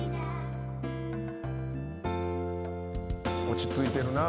落ち着いてるな。